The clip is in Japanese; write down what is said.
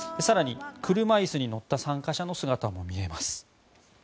車いすに乗った参加者の姿も見えます。